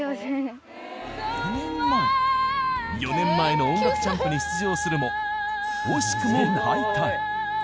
４年前の『音楽チャンプ』に出場するも惜しくも敗退。